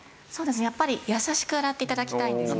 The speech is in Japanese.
やっぱり優しく洗って頂きたいんですね。